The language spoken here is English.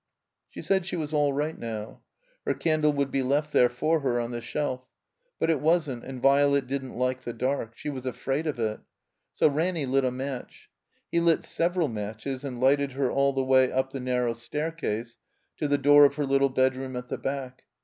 She said she was all right now. Her candle wotdd be left there for her, on the shelf. But it wasn't, and Violet didn't like the dark. She was afraid of it. So Ranny lit a match. He lit several matches and lighted her all the way up the narrow staircase to the door of her little bedroom at the back.